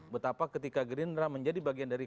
betapa ketika gerindra menjadi bagian dari